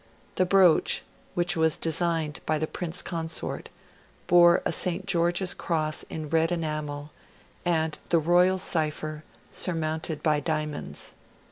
The brooch, which was designed by the Prince Consort, bore a St. George's cross in red enamel, and the Royal cipher surmounted by diamonds.